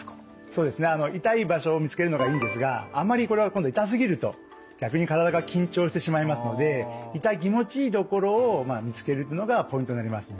そうですね痛い場所を見つけるのがいいんですがあんまりこれは今度痛すぎると逆に体が緊張してしまいますので痛気持ちいいところを見つけるというのがポイントになります。